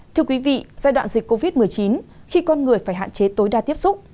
thưa quý vị giai đoạn dịch covid một mươi chín khi con người phải hạn chế tối đa tiếp xúc